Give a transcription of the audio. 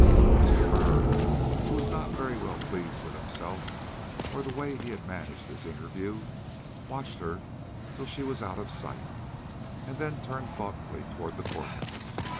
Mr. Byrd, who was not very well pleased with himself or the way he had managed this interview, watched her till she was out of sight, and then turned thoughtfully toward the court house.